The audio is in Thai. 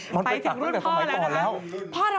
มาไปถึงรุ่นพ่อแล้วนะครับ